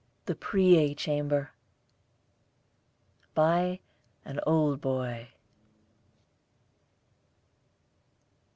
THE PREAY CHAMBER. By An Old Boy.